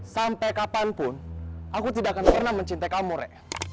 sampai kapanpun aku tidak akan pernah mencintai kamu rek